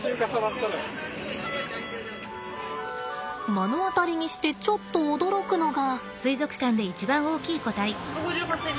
目の当たりにしてちょっと驚くのが。